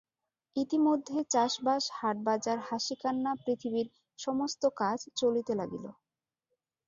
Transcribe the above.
ইতিমধ্যে চাষবাস হাটবাজার হাসিকান্না পৃথিবীর সমস্ত কাজ চলিতে লাগিল।